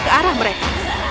ke arah mereka